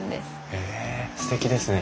へえすてきですね。